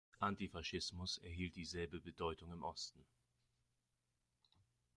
Antifaschismus erhielt dieselbe Bedeutung im Osten.